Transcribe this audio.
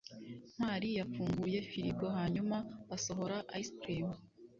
ntwali yafunguye firigo hanyuma asohora ice cream